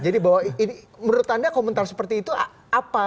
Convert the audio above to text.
jadi menurut anda komentar seperti itu apa